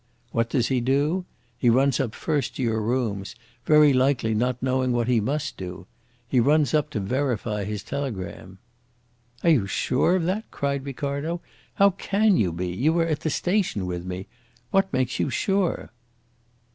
What does he do? He runs up first to your rooms, very likely not yet knowing what he must do. He runs up to verify his telegram." "Are you sure of that?" cried Ricardo. "How can you be? You were at the station with me. What makes you sure?"